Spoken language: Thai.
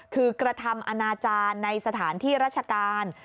คือกระทำอนาจารย์ในสถานที่ราชการ